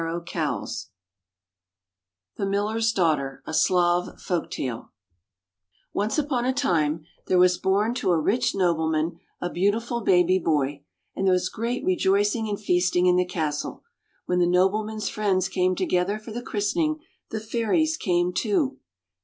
[ 70 ] THE MILLER'S DAUGHTER , NCE upon a time there was born to a rich nobleman, a beautiful baby boy, and there was great rejoicing and feasting in the castle. When the nobleman's friends came to gether for the christening, the fairies came too.